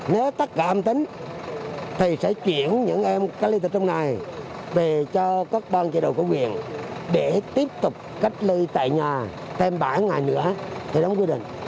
nếu tất cả âm tính thì sẽ chuyển những em cây lưu tập trung này về cho các ban chế độ có quyền để tiếp tục cách lưu tại nhà thêm bảy ngày nữa thì đóng quy định